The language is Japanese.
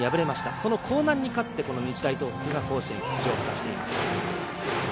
その光南に勝って日大東北が甲子園に出場しています。